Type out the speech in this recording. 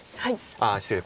ああ失礼。